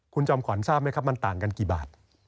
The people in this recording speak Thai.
คุณจอมขวัญทราบไหมครับมันต่างกันกี่บาท